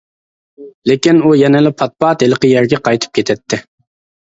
لېكىن ئۇ يەنىلا پات-پات ھېلىقى يەرگە قايتىپ كېتەتتى.